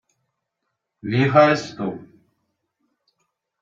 Wie heisst du?